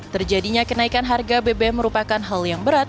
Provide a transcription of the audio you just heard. terjadinya kenaikan harga bbm merupakan hal yang berat